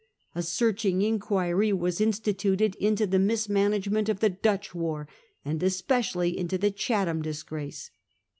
A Commons, searching inquiry was instituted into the mis management of the Dutch war, and especially into the Chatham disgrace.